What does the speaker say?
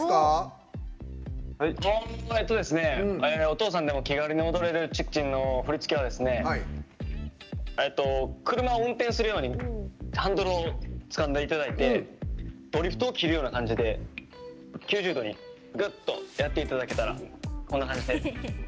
お父さんでも気軽に踊れる「ＪＩＫＪＩＮ」の振り付けはえっと車を運転するようにハンドルをつかんでいただいてドリフトを切るような感じで９０度にぐっとやっていただけたらこんな感じで。